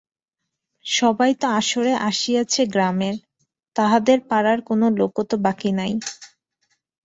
সবাই তো আসরে আসিয়াছে গ্রামের, তাহদের পাড়ার কোনও লোক তো বাকি নাই!